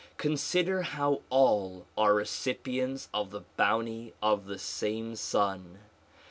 Consider how all are recipients of the bounty of the same Sun.